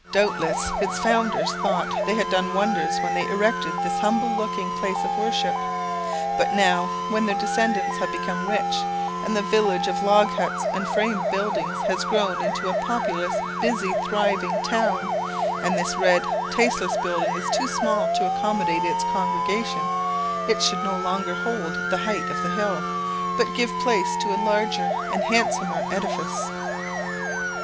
Doubtless its founders thought they had done wonders when they erected this humble looking place of worship; but now, when their descendants have become rich, and the village of log huts and frame buildings has grown into a populous, busy, thriving town, and this red, tasteless building is too small to accommodate its congregation, it should no longer hold the height of the hill, but give place to a larger and handsomer edifice.